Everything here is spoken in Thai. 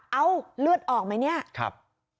เอ้าเลือดออกมั้ยเนี่ยครับ